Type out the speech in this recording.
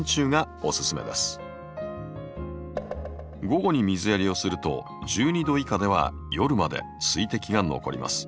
午後に水やりをすると１２℃以下では夜まで水滴が残ります。